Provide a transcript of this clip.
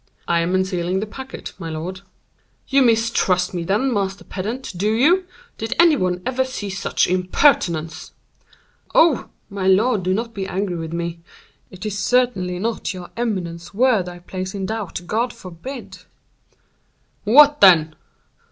"I am unsealing the packet, my lord." "You mistrust me, then, master pedant, do you? Did any one ever see such impertinence?" "Oh! my lord, do not be angry with me! It is certainly not your eminence's word I place in doubt, God forbid!" "What then?"